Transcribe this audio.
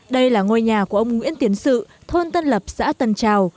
đây là ngôi nhà của ông nguyễn tiến sự thôn tân lập xã tân trào